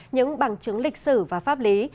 những bằng chứng lịch sử và pháp lý